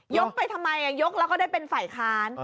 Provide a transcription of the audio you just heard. ไปทำไมยกแล้วก็ได้เป็นฝ่ายค้าน